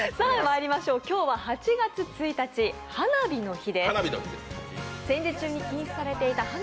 今日は８月１日、花火の日です